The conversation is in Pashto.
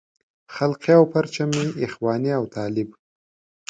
خلقي او پرچمي اخواني او طالب.